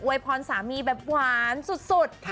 วยพรสามีแบบหวานสุด